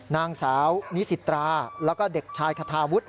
นางสาวนิสิตราแล้วก็เด็กชายคาทาวุฒิ